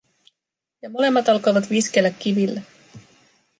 Ja molemmat alkoivat viskellä kivillä.